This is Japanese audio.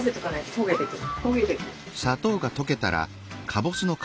焦げてくる。